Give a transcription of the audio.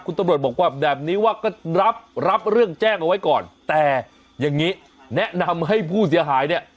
คุณตำรวจบอกว่าแบบนี้ว่าก็รับรับเรื่องแจ้งเอาไว้ก่อนแต่อย่างงี้แนะนำให้ผู้เสียหายเนี่ย